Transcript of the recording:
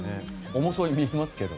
重そうに見えますけどね。